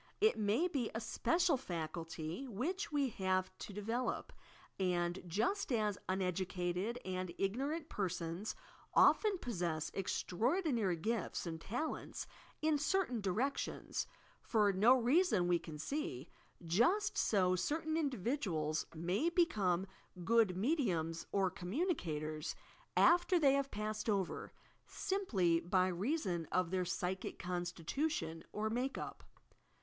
It may be a special faculty which we have to develop, and, just as uneducated and igno rant persons often possess extraordinary gifts and tal ents in certain directions, for no reason we can see, just so certain individuals may become good mediums or communicators, after they have passed over, simply by reason of their psychic constitution or make up.